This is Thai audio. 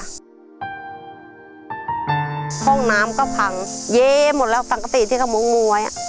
ห้องน้ำก็ผังเย้หมดแล้วภาคสังกติที่เค้ามุ้งค์มวย